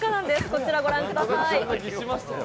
こちらご覧ください。